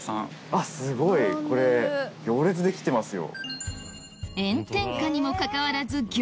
あっすごいこれ行列できてますよ。